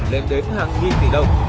lên đến hàng nghìn tỷ đồng